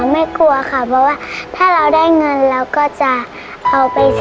ไม่กลัวค่ะเพราะว่าถ้าเราได้เงินเราก็จะเอาไป